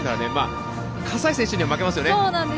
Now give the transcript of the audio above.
葛西選手には負けますよね。